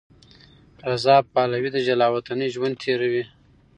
رضا پهلوي د جلاوطنۍ ژوند تېروي.